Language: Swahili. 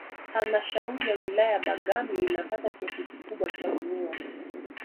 Halmashauri ya Wilaya ya Bagamyo inapata kiasi cha kikubwa cha mvua